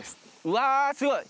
うわすごい！